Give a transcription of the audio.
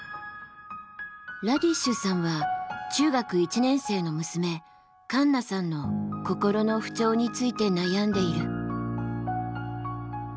ラディッシュさんは中学１年生の娘カンナさんの心の不調について悩んでいる。